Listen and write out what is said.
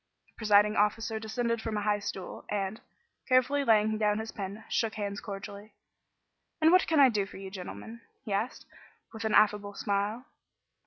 The presiding officer descended from a high stool, and, carefully laying down his pen, shook hands cordially. "And what can I do for you gentlemen?" he asked, with an affable smile.